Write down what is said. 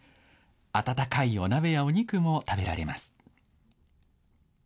温かいお鍋やお肉も食べられます。